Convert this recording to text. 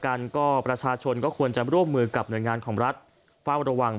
กันก็ประชาชนก็ควรจะร่วมมือกับหน่วยงานของรัฐเฝ้าระวัง